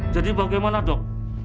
jadi bagaimana dok